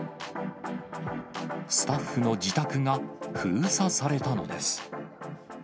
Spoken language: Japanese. スタッフの自宅が封鎖されたのです。